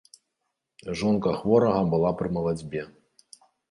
Жонка хворага была пры малацьбе.